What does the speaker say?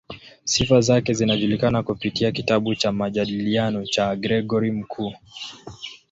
Sifa zake zinajulikana kupitia kitabu cha "Majadiliano" cha Gregori Mkuu.